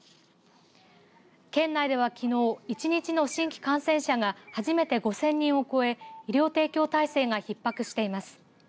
県内ではきのう１日の新規感染者が初めて５０００人を超え医療提供体制がひっ迫しています。